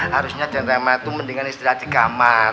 harusnya den rama itu mendingan istirahat di kamar